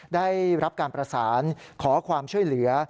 ได้รับการประสานขอความช่วยเหลือ